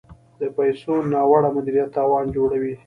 د پیسو ناوړه مدیریت تاوان جوړوي.